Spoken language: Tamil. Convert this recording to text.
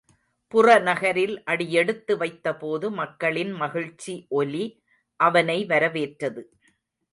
புறநகரில் அடியெடுத்து வைத்தபோது மக்களின் மகிழ்ச்சி ஒலி அவனை வரவேற்றது.